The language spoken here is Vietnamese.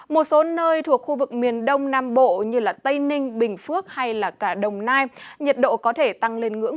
một số nơi thuộc khu vực miền đông nam bộ như tây ninh bình phước hay cả đồng nai nhiệt độ có thể tăng lên ngưỡng ba mươi bốn độ